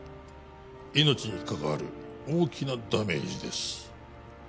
命にかかわる大きなダメージです